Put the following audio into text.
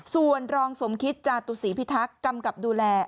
ส่วนรองสมคิตจาตุศีพิทักษ์กำกับดูแล